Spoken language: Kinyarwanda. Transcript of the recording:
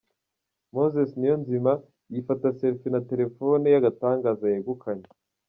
Moses Niyonzima yifata Selfie na terefone y'agatangaza yegukanye.